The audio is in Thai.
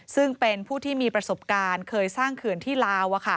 ซึ่งเป็นผู้ที่มีประสบการณ์เคยสร้างเขื่อนที่ลาว